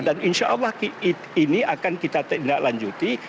dan insya allah ini akan kita terindah lanjuti